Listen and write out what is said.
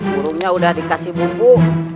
burungnya sudah dikasih bumbu